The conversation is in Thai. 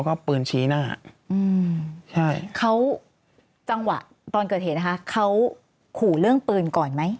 เขาขู่เรื่องปืนก่อนไหม